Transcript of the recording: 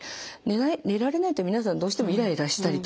寝られないと皆さんどうしてもイライラしたりとかですね